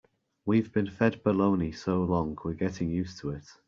We've been fed baloney so long we're getting used to it.